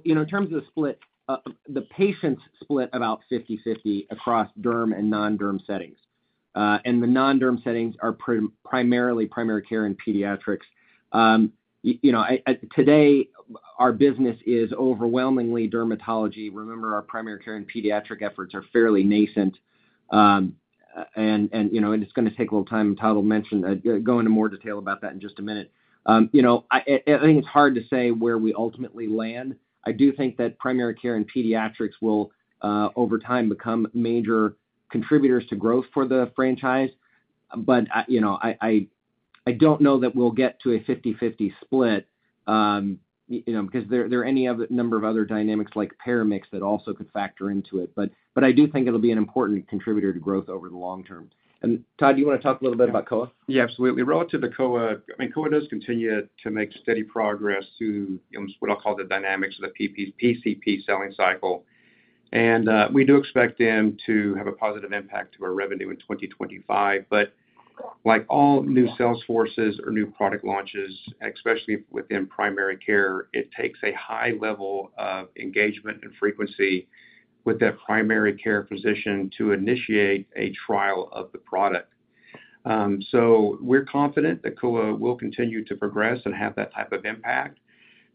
In terms of the split, the patients split about 50/50 across derm and non-derm settings. The non-derm settings are primarily primary care and pediatrics. Today, our business is overwhelmingly dermatology. Remember, our primary care and pediatric efforts are fairly nascent, and it's going to take a little time. Tyler mentioned going into more detail about that in just a minute. I think it's hard to say where we ultimately land. I do think that primary care and pediatrics will, over time, become major contributors to growth for the franchise. I don't know that we'll get to a 50/50 split because there are any number of other dynamics like paramics that also could factor into it. I do think it'll be an important contributor to growth over the long term. Todd, do you want to talk a little bit about COA? Yeah, absolutely. Relative to COA, I mean, COA does continue to make steady progress through what I'll call the dynamics of the PCP selling cycle. We do expect them to have a positive impact to our revenue in 2025. Like all new sales forces or new product launches, especially within primary care, it takes a high level of engagement and frequency with that primary care physician to initiate a trial of the product. We're confident that COA will continue to progress and have that type of impact.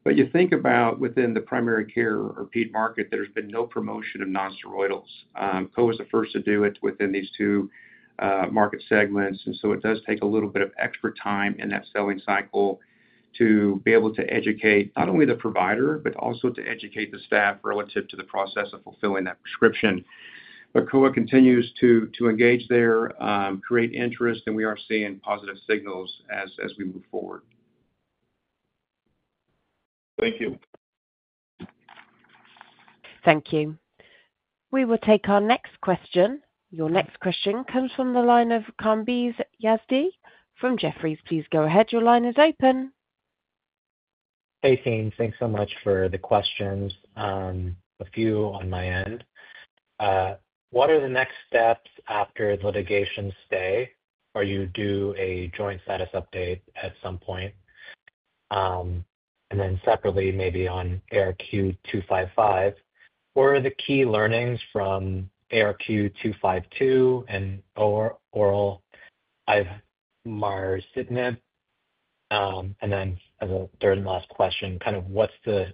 You think about within the primary care or ped market, there has been no promotion of nonsteroidals. COA was the first to do it within these two market segments. It does take a little bit of extra time in that selling cycle to be able to educate not only the provider, but also to educate the staff relative to the process of fulfilling that prescription. COA continues to engage there, create interest, and we are seeing positive signals as we move forward. Thank you. Thank you. We will take our next question. Your next question comes from the line of Kambiz Yazdi from Jefferies. Please go ahead. Your line is open. Hey, Sain. Thanks so much for the questions. A few on my end. What are the next steps after litigation stay? Are you due a joint status update at some point? Then separately, maybe on ARQ255. What are the key learnings from ARQ252 and oral marsitinib? As a third and last question, kind of what's the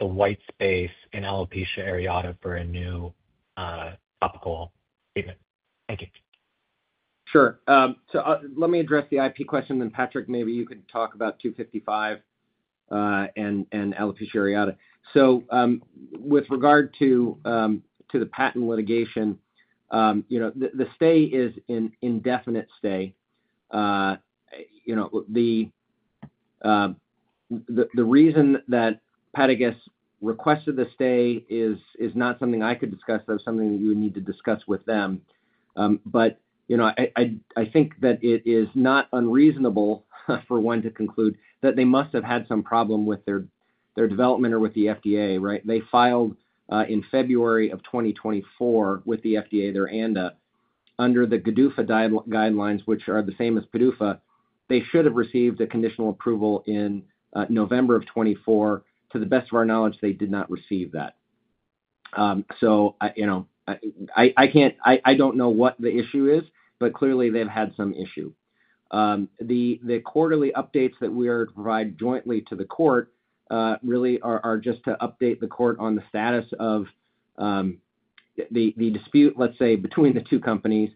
white space in alopecia areata for a new topical treatment? Thank you. Sure. Let me address the IP question, then Patrick, maybe you can talk about 255 and alopecia areata. With regard to the patent litigation, the stay is an indefinite stay. The reason that Patagus requested the stay is not something I could discuss, though, something that you would need to discuss with them. I think that it is not unreasonable for one to conclude that they must have had some problem with their development or with the FDA, right? They filed in February of 2024 with the FDA, their ANDA, under the GDUFA guidelines, which are the same as PDUFA. They should have received a conditional approval in November of 2024. To the best of our knowledge, they did not receive that. I do not know what the issue is, but clearly, they have had some issue. The quarterly updates that we are to provide jointly to the court really are just to update the court on the status of the dispute, let's say, between the two companies.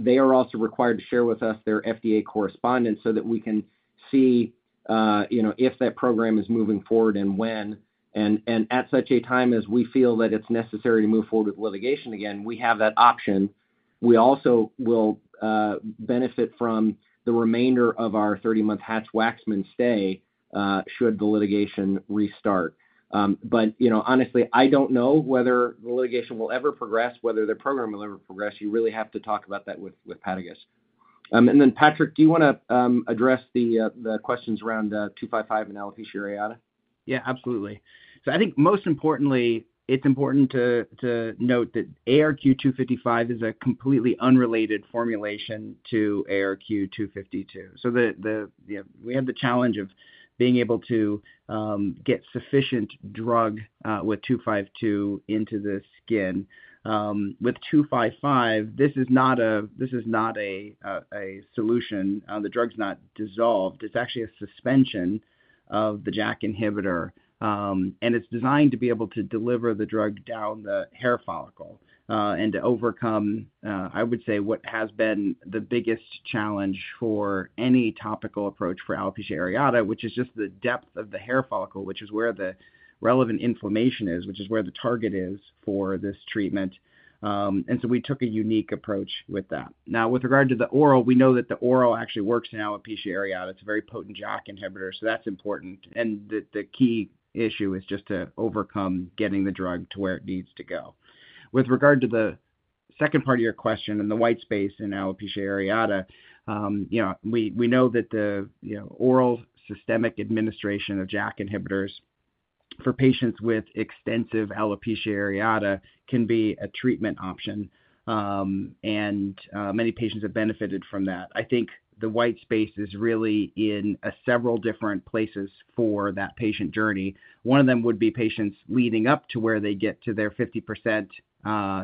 They are also required to share with us their FDA correspondence so that we can see if that program is moving forward and when. At such a time as we feel that it's necessary to move forward with litigation again, we have that option. We also will benefit from the remainder of our 30-month Hatch-Waxman stay should the litigation restart. Honestly, I don't know whether the litigation will ever progress, whether the program will ever progress. You really have to talk about that with Patagus. Patrick, do you want to address the questions around 255 and alopecia areata? Yeah, absolutely. I think most importantly, it's important to note that ARQ255 is a completely unrelated formulation to ARQ252. We have the challenge of being able to get sufficient drug with 252 into the skin. With 255, this is not a solution. The drug's not dissolved. It's actually a suspension of the JAK inhibitor. It's designed to be able to deliver the drug down the hair follicle and to overcome, I would say, what has been the biggest challenge for any topical approach for alopecia areata, which is just the depth of the hair follicle, which is where the relevant inflammation is, which is where the target is for this treatment. We took a unique approach with that. Now, with regard to the oral, we know that the oral actually works in alopecia areata. It's a very potent JAK inhibitor. That's important. The key issue is just to overcome getting the drug to where it needs to go. With regard to the second part of your question and the white space in alopecia areata, we know that the oral systemic administration of JAK inhibitors for patients with extensive alopecia areata can be a treatment option. Many patients have benefited from that. I think the white space is really in several different places for that patient journey. One of them would be patients leading up to where they get to their 50%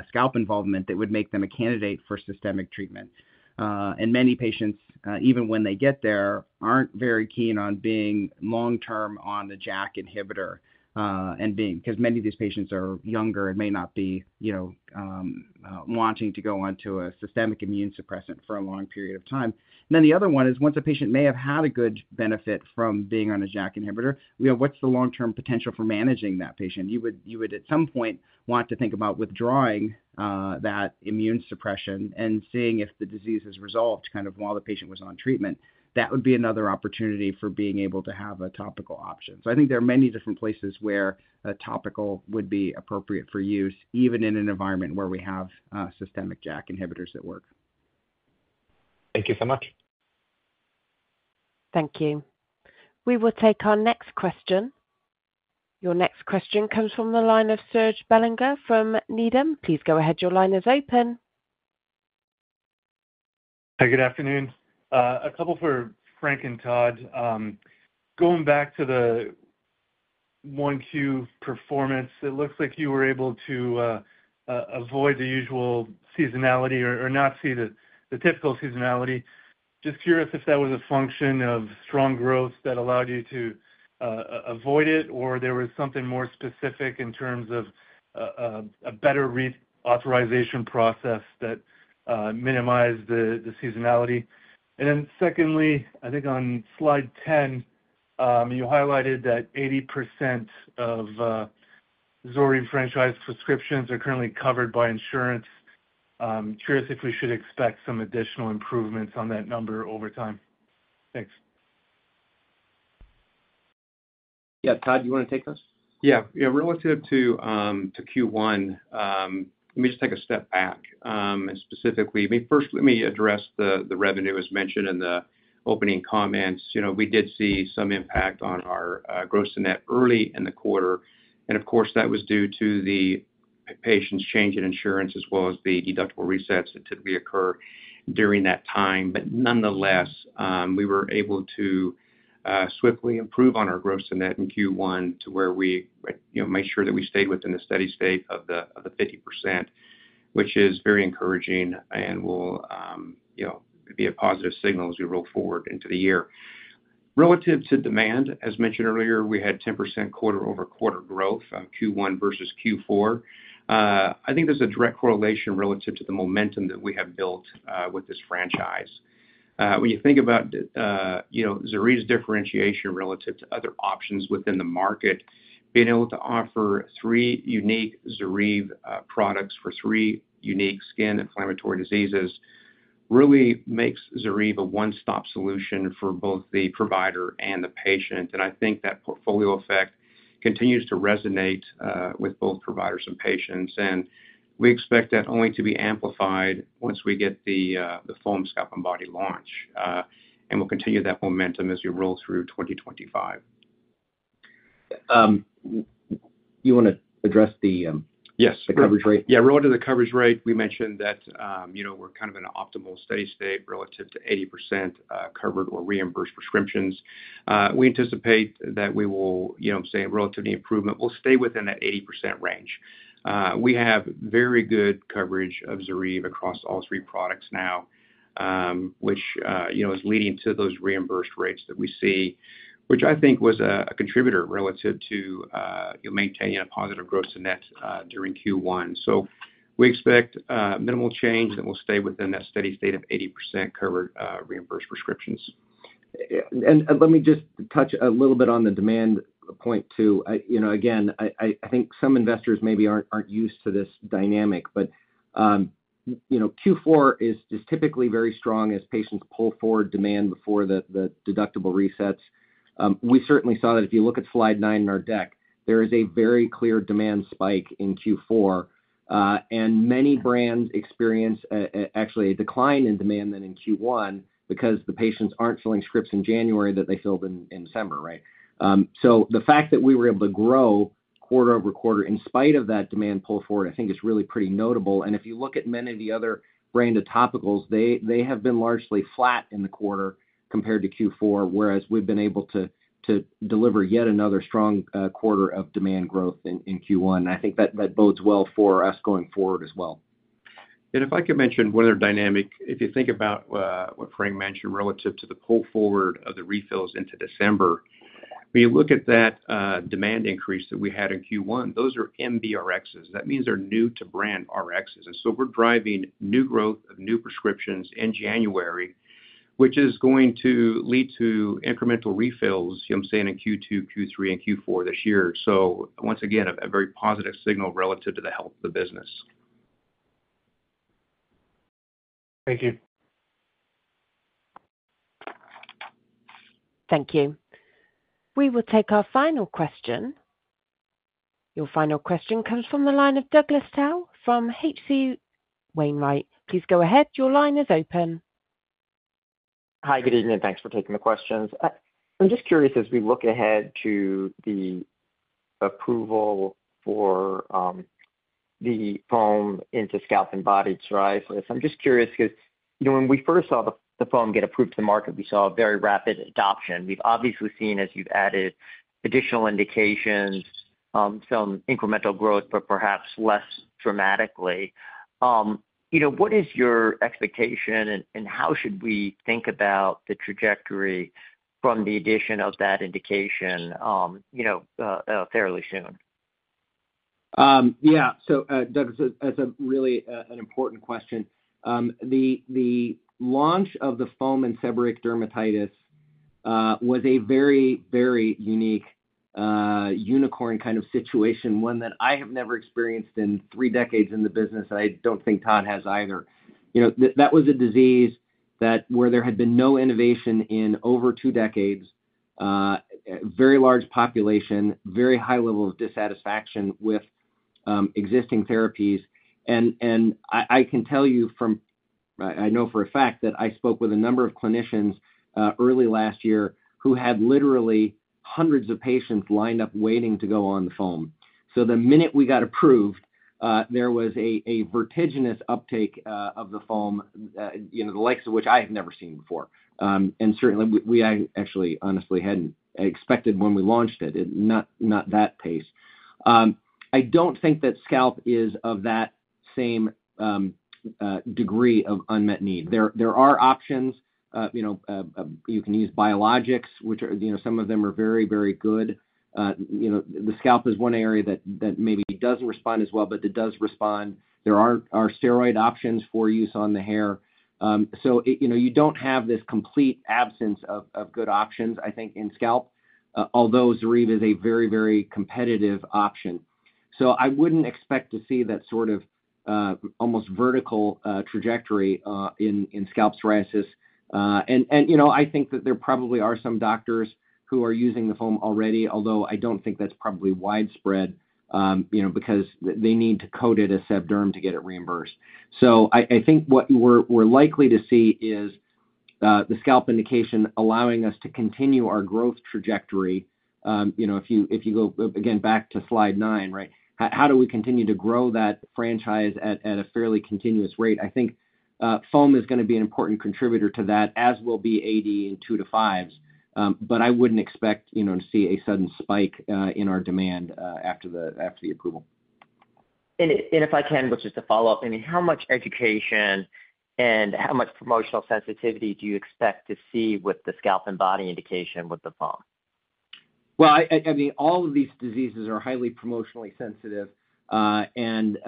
scalp involvement that would make them a candidate for systemic treatment. Many patients, even when they get there, are not very keen on being long-term on the JAK inhibitor because many of these patients are younger and may not be wanting to go on to a systemic immune suppressant for a long period of time. The other one is once a patient may have had a good benefit from being on a JAK inhibitor, what's the long-term potential for managing that patient? You would, at some point, want to think about withdrawing that immune suppression and seeing if the disease has resolved kind of while the patient was on treatment. That would be another opportunity for being able to have a topical option. I think there are many different places where a topical would be appropriate for use, even in an environment where we have systemic JAK inhibitors that work. Thank you so much. Thank you. We will take our next question. Your next question comes from the line of Serge Belanger from Needham. Please go ahead. Your line is open. Hi, good afternoon. A couple for Frank and Todd. Going back to the 1Q performance, it looks like you were able to avoid the usual seasonality or not see the typical seasonality. Just curious if that was a function of strong growth that allowed you to avoid it, or there was something more specific in terms of a better authorization process that minimized the seasonality. Secondly, I think on slide 10, you highlighted that 80% of ZORYVE franchise prescriptions are currently covered by insurance. Curious if we should expect some additional improvements on that number over time. Thanks. Yeah. Todd, do you want to take this? Yeah. Yeah. Relative to Q1, let me just take a step back. Specifically, first, let me address the revenue as mentioned in the opening comments. We did see some impact on our gross to net early in the quarter. Of course, that was due to the patients' change in insurance as well as the deductible resets that typically occur during that time. Nonetheless, we were able to swiftly improve on our gross to net in Q1 to where we made sure that we stayed within the steady state of the 50%, which is very encouraging and will be a positive signal as we roll forward into the year. Relative to demand, as mentioned earlier, we had 10% quarter-over-quarter growth on Q1 versus Q4. I think there's a direct correlation relative to the momentum that we have built with this franchise. When you think about Xarive's differentiation relative to other options within the market, being able to offer three unique Xarive products for three unique skin inflammatory diseases really makes Xarive a one-stop solution for both the provider and the patient. I think that portfolio effect continues to resonate with both providers and patients. We expect that only to be amplified once we get the foam scalp and body launch. We will continue that momentum as we roll through 2025. You want to address the coverage rate? Yes. Yeah. Relative to the coverage rate, we mentioned that we're kind of in an optimal steady state relative to 80% covered or reimbursed prescriptions. We anticipate that we will, say, relative to the improvement, we'll stay within that 80% range. We have very good coverage of ZORYVE across all three products now, which is leading to those reimbursed rates that we see, which I think was a contributor relative to maintaining a positive gross to net during Q1. We expect minimal change and we'll stay within that steady state of 80% covered reimbursed prescriptions. Let me just touch a little bit on the demand point too. Again, I think some investors maybe are not used to this dynamic, but Q4 is typically very strong as patients pull forward demand before the deductible resets. We certainly saw that if you look at slide 9 in our deck, there is a very clear demand spike in Q4. Many brands experience actually a decline in demand then in Q1 because the patients are not filling scripts in January that they filled in December, right? The fact that we were able to grow quarter over quarter in spite of that demand pull forward, I think is really pretty notable. If you look at many of the other branded topicals, they have been largely flat in the quarter compared to Q4, whereas we have been able to deliver yet another strong quarter of demand growth in Q1. I think that bodes well for us going forward as well. If I could mention one other dynamic, if you think about what Frank mentioned relative to the pull forward of the refills into December, when you look at that demand increase that we had in Q1, those are NBRx. That means they're new-to-brand RXs. We are driving new growth of new prescriptions in January, which is going to lead to incremental refills, I'm saying, in Q2, Q3, and Q4 this year. Once again, a very positive signal relative to the health of the business. Thank you. Thank you. We will take our final question. Your final question comes from the line of Douglas Tow from HC Wainwright. Please go ahead. Your line is open. Hi, good evening. Thanks for taking the questions. I'm just curious as we look ahead to the approval for the foam into scalp and body trifles. I'm just curious because when we first saw the foam get approved to the market, we saw a very rapid adoption. We've obviously seen, as you've added, additional indications, some incremental growth, but perhaps less dramatically. What is your expectation and how should we think about the trajectory from the addition of that indication fairly soon? Yeah. Douglas, that's really an important question. The launch of the foam in seborrheic dermatitis was a very, very unique unicorn kind of situation, one that I have never experienced in three decades in the business. I do not think Todd has either. That was a disease where there had been no innovation in over two decades, very large population, very high level of dissatisfaction with existing therapies. I can tell you, I know for a fact that I spoke with a number of clinicians early last year who had literally hundreds of patients lined up waiting to go on the foam. The minute we got approved, there was a vertiginous uptake of the foam, the likes of which I have never seen before. We actually honestly had not expected that when we launched it, not that pace. I don't think that scalp is of that same degree of unmet need. There are options. You can use biologics, which some of them are very, very good. The scalp is one area that maybe doesn't respond as well, but it does respond. There are steroid options for use on the hair. You don't have this complete absence of good options, I think, in scalp, although ZORYVE is a very, very competitive option. I wouldn't expect to see that sort of almost vertical trajectory in scalp psoriasis. I think that there probably are some doctors who are using the foam already, although I don't think that's probably widespread because they need to code it as seborrheic dermatitis to get it reimbursed. I think what we're likely to see is the scalp indication allowing us to continue our growth trajectory. If you go again back to slide 9, right, how do we continue to grow that franchise at a fairly continuous rate? I think foam is going to be an important contributor to that, as will be AD in 2 to 5s. I would not expect to see a sudden spike in our demand after the approval. If I can, just to follow up, I mean, how much education and how much promotional sensitivity do you expect to see with the scalp and body indication with the foam? All of these diseases are highly promotionally sensitive. I think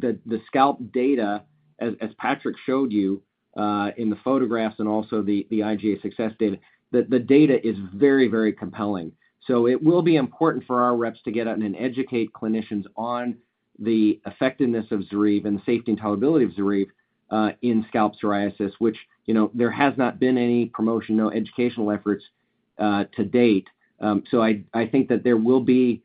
the scalp data, as Patrick showed you in the photographs and also the IGA success data, the data is very, very compelling. It will be important for our reps to get out and educate clinicians on the effectiveness of ZORYVE and the safety and tolerability of ZORYVE in scalp psoriasis, for which there has not been any promotion, no educational efforts to date. I think that there will be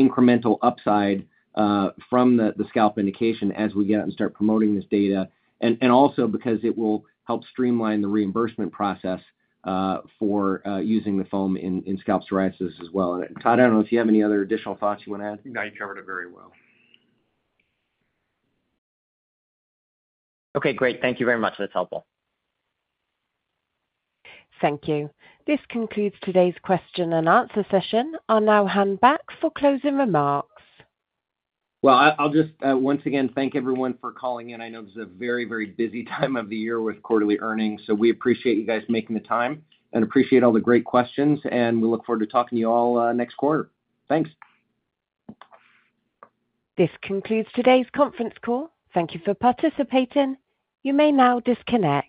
incremental upside from the scalp indication as we get out and start promoting this data. Also, it will help streamline the reimbursement process for using the foam in scalp psoriasis as well. Todd, I do not know if you have any other additional thoughts you want to add. No, you covered it very well. Okay. Great. Thank you very much. That's helpful. Thank you. This concludes today's question and answer session. I'll now hand back for closing remarks. I just once again thank everyone for calling in. I know this is a very, very busy time of the year with quarterly earnings. We appreciate you guys making the time and appreciate all the great questions. We look forward to talking to you all next quarter. Thanks. This concludes today's conference call. Thank you for participating. You may now disconnect.